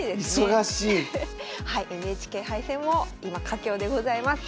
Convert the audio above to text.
はいＮＨＫ杯戦も今佳境でございます。